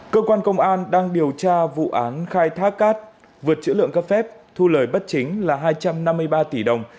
cơ quan công an đang điều tra vụ án khai thác cát vượt chữ lượng các phép thu lời bất chính là hai trăm năm mươi ba tỷ đồng